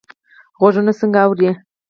غوږونه څنګه اوري؟